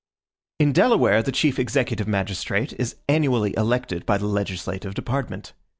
In Delaware, the chief executive magistrate is annually elected by the legislative department.